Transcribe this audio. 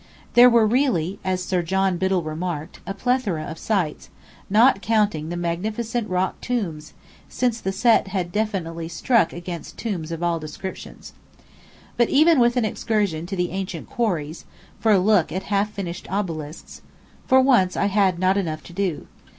There were really, as Sir John Biddell remarked, a "plethora of sights," not counting the magnificent Rock Tombs, since the Set had definitely "struck" against tombs of all descriptions. But even with an excursion to the ancient quarries, for a look at half finished obelisks, for once I had not enough to do.